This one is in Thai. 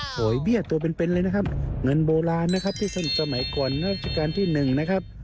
หอยเบี้ยตัวเป็นเลยนะครับเงินโบราณนะครับที่สมัยก่อนราชการที่๑นะครับ